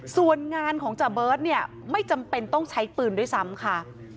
ส่วนงานของจาเบิร์ตเนี่ยไม่จำเป็นต้องใช้ปืนด้วยซ้ำค่ะ